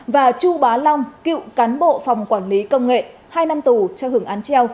và chu bá long cựu cán bộ phòng quản lý công nghệ hai năm tù cho hưởng án treo